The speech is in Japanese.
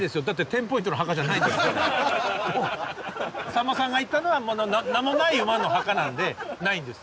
さんまさんが行ったのは名もない馬の墓なんでないんです。